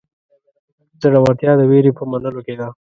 زړهورتیا د وېرې په منلو کې ده.